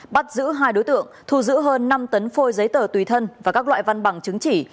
bắt giữ hai đối tượng thu giữ hơn năm tấn phôi giấy tờ tùy thân và các loại văn bằng chứng chỉ